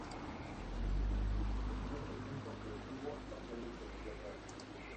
Marquina fue Alcalde Primero de Tabay y murió años más tarde en la pobreza.